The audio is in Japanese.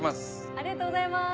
ありがとうございます！